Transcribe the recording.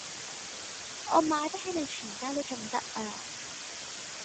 我買起你全家都重得呀